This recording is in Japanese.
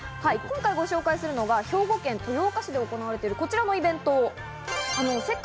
今回ご紹介するのが兵庫県豊岡市で行われている、こちらのイベント。